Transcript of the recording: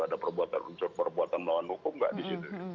ada perbuatan unsur perbuatan melawan hukum nggak di situ